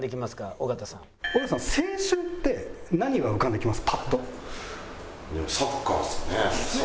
尾形さん「じゃあパンクって何が浮かんできます？」。